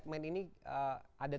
terima kasih banyak banyak